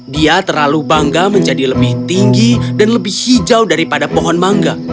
dia terlalu bangga menjadi lebih tinggi dan lebih hijau daripada pohon mangga